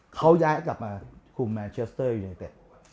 เขาย้ายกลับมาคุมแมนเชสเตอร์ยูเนเต็ด